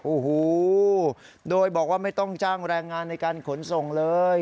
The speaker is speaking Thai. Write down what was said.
โอ้โหโดยบอกว่าไม่ต้องจ้างแรงงานในการขนส่งเลย